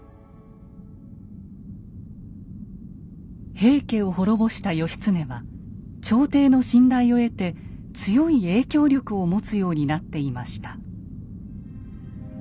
平家を滅ぼした義経は朝廷の信頼を得て強い影響力を持つようになっていました。